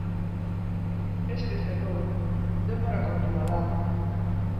Ez keztatu, denbora kontua da.